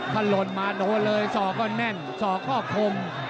ขลันลนมาโน้นเลยส่อก็แน่นส่อก็คม